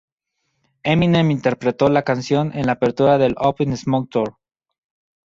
Eminem interpretó la canción en la apertura del Up in Smoke Tour.